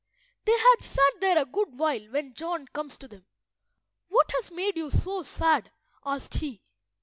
They had sat there a good while when John comes to them. "What has made you so sad?" asked he.